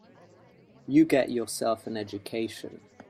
You get yourself an education.